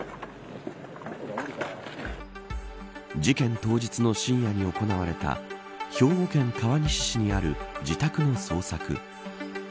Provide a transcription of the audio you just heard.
事件当日の深夜に行われた兵庫県川西市にある自宅の捜索。